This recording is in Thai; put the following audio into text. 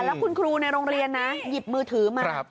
แล้วคุณครูในโรงเรียนนะหยิบมือถือมา